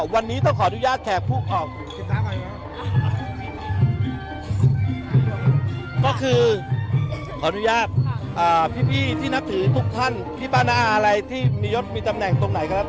วันนี้ต้องขออนุญาตแขกผู้ออกก็คือขออนุญาตพี่ที่นับถือทุกท่านพี่ป้าน้าอะไรที่มียศมีตำแหน่งตรงไหนครับ